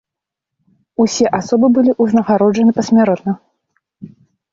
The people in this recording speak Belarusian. Усе асобы былі ўзнагароджаны пасмяротна.